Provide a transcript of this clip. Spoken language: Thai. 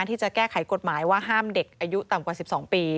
ที่จะแก้ไขกฎหมายว่าห้ามเด็กอายุต่ำกว่า๑๒ปี